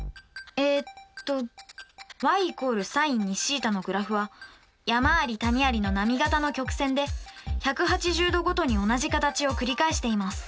えっとｙ＝ｓｉｎ２θのグラフは山あり谷ありの波形の曲線で１８０°ごとに同じ形を繰り返しています。